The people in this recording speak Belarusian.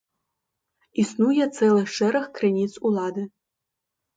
Існуе цэлы шэраг крыніц улады.